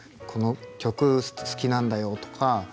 この曲好きなんだよとか